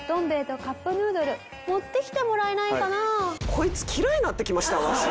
こいつ嫌いになってきましたわわし。